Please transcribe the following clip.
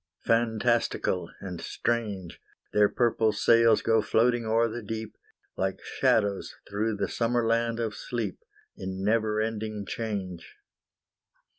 Fantastical and strange, Their purple sails go floating o'er the deep, Like shadows through the summer land of sleep, In never ending change.